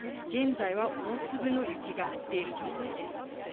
現在は大粒の雪が降っている状態です。